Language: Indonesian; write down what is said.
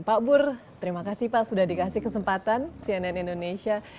pak bur terima kasih pak sudah dikasih kesempatan cnn indonesia